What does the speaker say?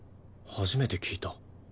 初めて聞いた。